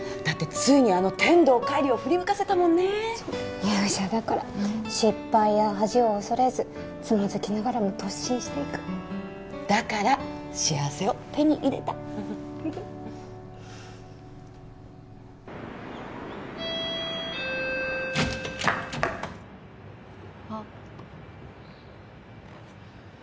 ついにあの天堂浬を振り向かせたもんね勇者だから失敗や恥を恐れずつまずきながらも突進していくだから幸せを手に入れたあっ